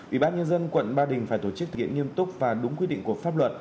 ủy ban nhân dân quận ba đình phải tổ chức thực hiện nghiêm túc và đúng quy định của pháp luật